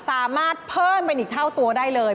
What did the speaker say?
สามารถเพิ่มเป็นอีกเท่าตัวได้เลย